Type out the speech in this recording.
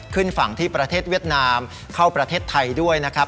ขึ้นฝั่งที่ประเทศเวียดนามเข้าประเทศไทยด้วยนะครับ